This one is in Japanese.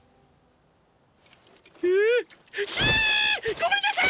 ごめんなさい！